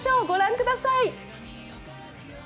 ご覧ください。